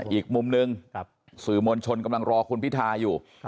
อีกมุมหนึ่งสื่อมวลชนกำลังรอคุณพิทาอยู่